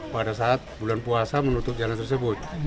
pada saat bulan puasa menutup jalan tersebut